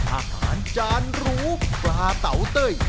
อาหารจานรู้ปลาเตาเต้ย